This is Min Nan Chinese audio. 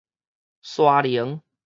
沙鈴